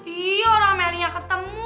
iya orang melinya ketemu